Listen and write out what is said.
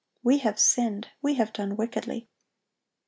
"We have sinned, we have done wickedly."